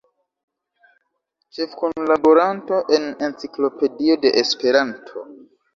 Ĉefkunlaboranto de Enciklopedio de Esperanto.